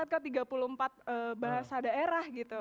gitu jadi di translate ke tiga puluh empat bahasa daerah gitu